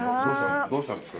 どうしたんですか？